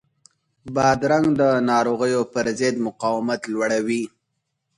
بادرنګ د ناروغیو پر ضد مقاومت لوړوي.